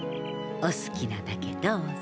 お好きなだけどうぞ。